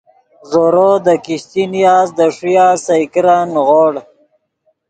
زورو دے کیشتی نیاست دے ݰویہ سئے کرن نیغوڑ